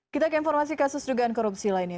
kita ke informasi kasus dugaan korupsi lainnya